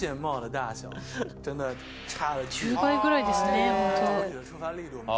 １０倍ぐらいですねホント。